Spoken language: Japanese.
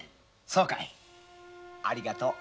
そうかいありがとう。